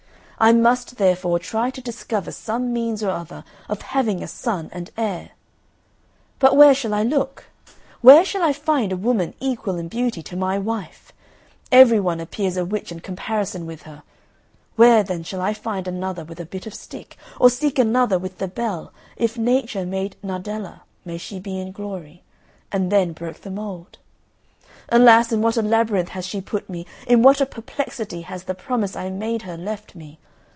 I must therefore try to discover some means or other of having a son and heir. But where shall I look? Where shall I find a woman equal in beauty to my wife? Every one appears a witch in comparison with her; where, then, shall I find another with a bit of stick, or seek another with the bell, if Nature made Nardella (may she be in glory), and then broke the mould? Alas, in what a labyrinth has she put me, in what a perplexity has the promise I made her left me!